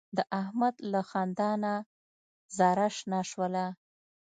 د احمد له خندا نه زاره شنه شوله.